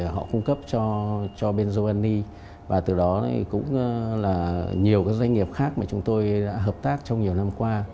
họ cung cấp cho bên romani và từ đó cũng là nhiều doanh nghiệp khác mà chúng tôi đã hợp tác trong nhiều năm qua